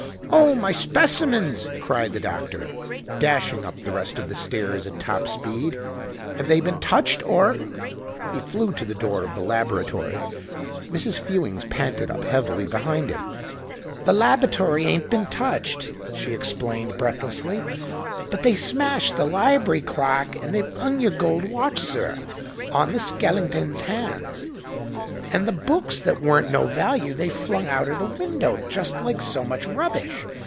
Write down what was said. "Oh, my specimens!" cried the doctor, dashing up the rest of the stairs at top speed. "Have they been touched or " He flew to the door of the laboratory. Mrs. Fewings panted up heavily behind him. "The labatry ain't been touched," she explained, breathlessly, "but they smashed the libry clock and they've 'ung your gold watch, sir, on the skelinton's hands. And the books that weren't no value they flung out er the window just like so much rubbish.